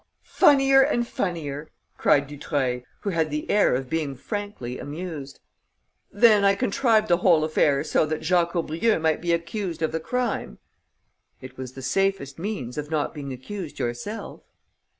"Funnier and funnier!" cried Dutreuil, who had the air of being frankly amused. "Then I contrived the whole affair so that Jacques Aubrieux might be accused of the crime?" "It was the safest means of not being accused yourself."